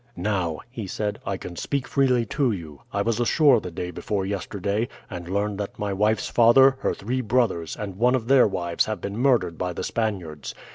"Now," he said, "I can speak freely to you. I was ashore the day before yesterday, and learned that my wife's father, her three brothers, and one of their wives have been murdered by the Spaniards.